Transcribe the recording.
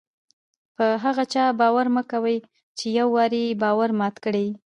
په هغه چا باور مه کوئ! چي یو وار ئې باور مات کړى يي.